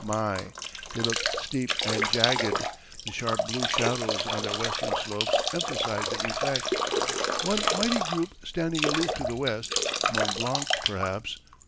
My! they look steep and jagged. The sharp blue shadows on their western slopes emphasized the effect. One mighty group standing aloof to the west Mount Blanc perhaps.